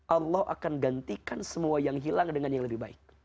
allah akan gantikan semua yang hilang dengan yang lebih baik